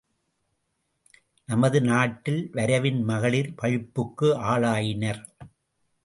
நமது நாட்டில் வரைவின் மகளிர் பழிப்புக்கு ஆளாயினர்.